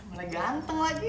malah ganteng lagi